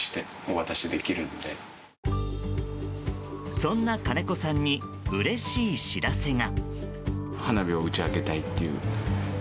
そんな金子さんにうれしい知らせが。